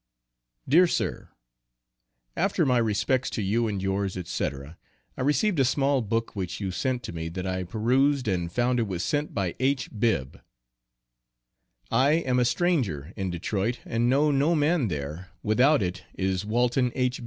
DEAR SIR: After my respects to you and yours &c, I received a small book which you sent to me that I peroseed and found it was sent by H. Bibb I am a stranger in Detroit and know no man there without it is Walton H.